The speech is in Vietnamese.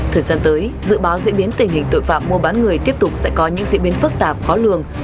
thời gian tới dự báo diễn biến tình hình tội phạm mua bán người tiếp tục sẽ có những diễn biến phức tạp khó lường